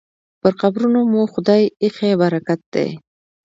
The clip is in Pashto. پر قبرونو مو خدای ایښی برکت دی